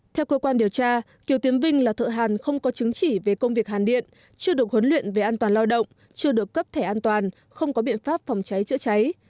theo cơ quan điều tra kiều tiến vinh là thợ hàn không có chứng chỉ về công việc hàn điện chưa được huấn luyện về an toàn lao động chưa được cấp thẻ an toàn không có biện pháp phòng cháy chữa cháy